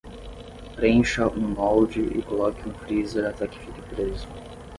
Preencha um molde e coloque-o no freezer até que fique preso.